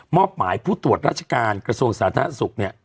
อบหมายผู้ตรวจราชการกระทรวงสาธารณสุขเนี่ย